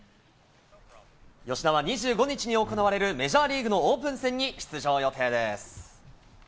吉田は２５日に行われるメジャーリーグのオープン戦に出場予定です。